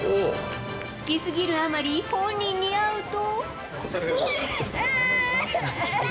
好きすぎるあまり、本人に会うと。